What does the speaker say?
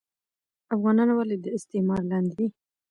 افغانان ولي د استعمار لاندي دي